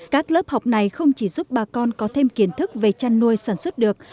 các lớp học này không chỉ giúp bà con có thêm kiến thức về chăn nuôi sản xuất được